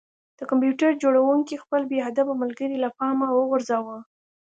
د کمپیوټر جوړونکي خپل بې ادبه ملګری له پامه وغورځاوه